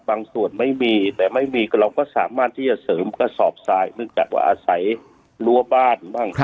ส่วนไม่มีแต่ไม่มีก็เราก็สามารถที่จะเสริมกระสอบทรายเนื่องจากว่าอาศัยรั้วบ้านบ้าง